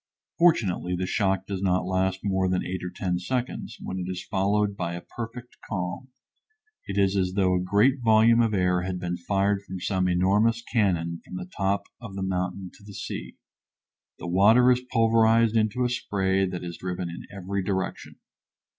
Fortunately the shock does not last more than eight or ten seconds, when it is followed by a perfect calm. It is as though a great volume of air had been fired from some enormous cannon from the top of the mountain to the sea. The water is pulverized into a spray that is driven in every direction.